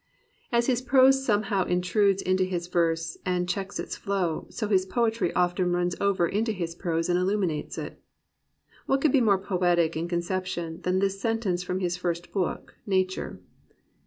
As his prose sometimes intrudes into his verse and checks its flow, so his poetry often runs over into his prose and illuminates it. What could be more poetic in conception than this sentence from his first book. Nature